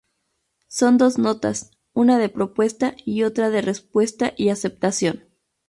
Son dos notas, una de propuesta y otra de respuesta y aceptación.